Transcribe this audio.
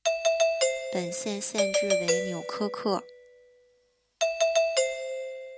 本县县治为纽柯克。